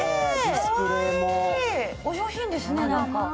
お上品ですね、何か。